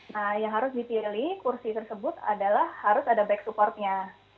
nah yang harus dipilih kursi tersebut adalah harus ada back supportnya